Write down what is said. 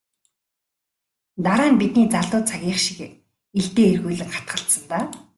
Дараа нь бидний залуу цагийнх шиг илдээ эргүүлэн хатгалцсан даа.